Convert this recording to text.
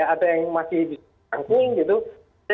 ada yang masih dijangkul gitu